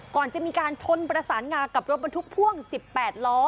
ก่อนจะมีการชนประสานงากับรถบรรทุกพ่วง๑๘ล้อ